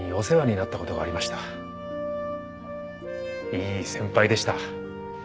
いい先輩でした。